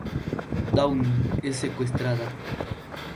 Downing, es secuestrada.